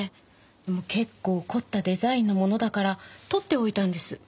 結構凝ったデザインのものだからとっておいたんです。